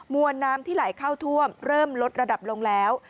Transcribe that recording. วนน้ำที่ไหลเข้าท่วมเริ่มลดระดับลงแล้ว